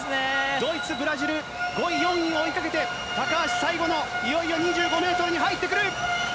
ドイツ、ブラジル、５位、４位を追いかけて、高橋、最後のいよいよ２５メートルに入ってくる。